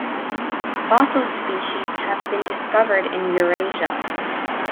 Fossil species have been discovered in Eurasia.